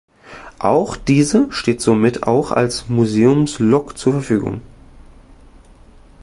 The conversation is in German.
Auch diese steht somit auch als Museumslok zur Verfügung.